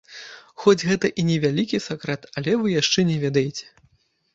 Хоць гэта і не вялікі сакрэт, але вы яшчэ не ведаеце.